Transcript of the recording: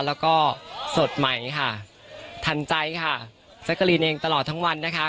แล้วก็สดใหม่ค่ะทันใจค่ะแจ๊กกะลีนเองตลอดทั้งวันนะคะ